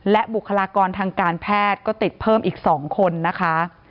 และบุคลากรทางการแพทย์ก็ติดเพิ่มอีก๒คนนะคะ